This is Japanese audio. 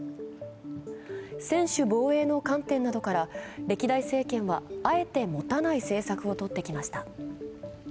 専守防衛の観点などから歴代政権はあえて持たない政策をとってきました。